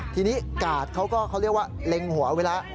ทีนี้กาดเขาก็เขาเรียกว่าเล็งหัวไว้แล้ว